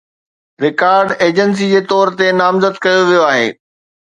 record agency جي طور تي نامزد ڪيو ويو آهي